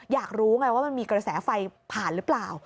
อยากรู้ไงว่ามันมีกระแสไฟผ่านหรือเปล่า